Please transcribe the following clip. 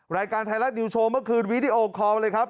รายการไทยรัฐนิวโชว์เมื่อคืนวีดีโอคอลเลยครับ